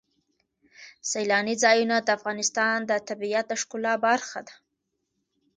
سیلاني ځایونه د افغانستان د طبیعت د ښکلا برخه ده.